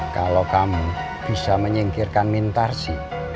kalau kamu bisa menyingkirkan mintarsi